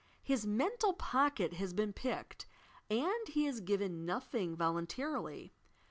His "mental pocket has been picked," and he has given nothing volun tarily.